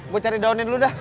gua cari daunin dulu dah